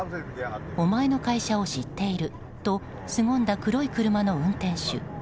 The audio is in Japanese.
お前の会社を知っているとすごんだ、黒い車の運転手。